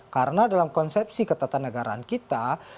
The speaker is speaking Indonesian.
karena dalam konsepsi ketatanegaraan kita